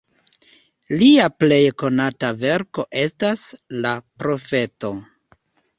Lia plej konata verko estas "La profeto".